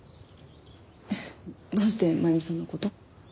どうして真弓さんの事を？